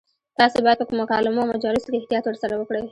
تاسو باید په مکالمو او مجالسو کې احتیاط ورسره وکړئ.